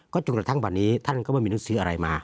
จนกระทั่งวันนี้ท่านก็ไม่มีหนังสืออะไรมา